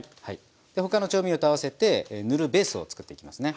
他の調味料と合わせて塗るベースを作っていきますね。